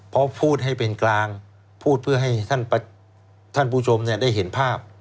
เพราะพูดให้เป็นกลางพูดเพื่อให้ท่านผู้ชมได้เห็นภาพ